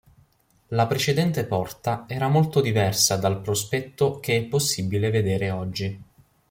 La precedente porta era molto diversa dal prospetto che è possibile vedere oggi.